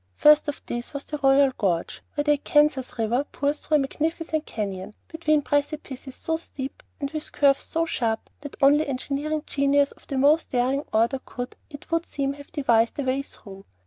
First of these was the Royal Gorge, where the Arkansas River pours through a magnificent canyon, between precipices so steep and with curves so sharp that only engineering genius of the most daring order could, it would seem, have devised a way through.